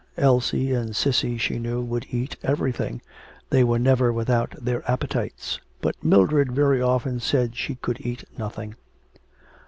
Elsie and Cissy she knew would eat everything, they were never without their appetites, but Mildred very often said she could eat nothing.